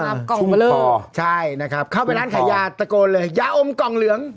อ่าชุมคอชุมคอใช่นะครับเข้าไปร้านขายาตะโกนเลยยาอมกองเหลือง